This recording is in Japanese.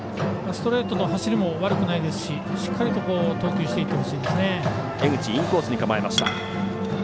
ストレートの走りも悪くないですししっかりと投球していってほしいですね。